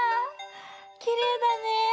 きれいだね。